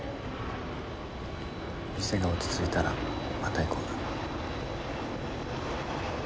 店が落ち着いたらまた行こうな。